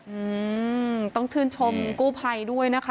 อืมต้องชื่นชมกู้ภัยด้วยนะคะ